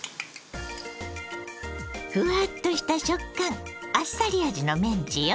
ふわっとした食感あっさり味のメンチよ。